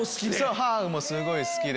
母もすごい好きで。